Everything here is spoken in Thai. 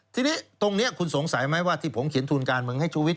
ทีนี้ตรงนี้คุณสงสัยไหมว่าที่ผมเขียนทุนการเมืองให้ชุวิต